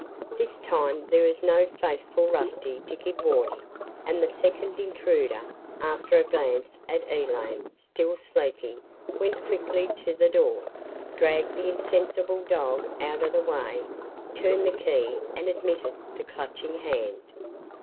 This time there was no faithful Rusty to give warning and the second intruder, after a glance at Elaine, still sleeping, went quickly to the door, dragged the insensible dog out of the way, turned the key and admitted the Clutching Hand.